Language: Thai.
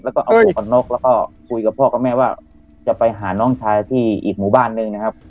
แล้วก็เอาหมวกกันน็อกแล้วก็คุยกับพ่อกับแม่ว่าจะไปหาน้องชายที่อีกหมู่บ้านหนึ่งนะครับ